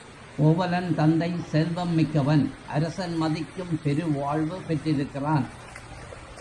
கோவலன் தந்தை செல்வம் மிக்கவன் அரசன் மதிக்கும் பெருவாழ்வு பெற்றிருக்கிறான்.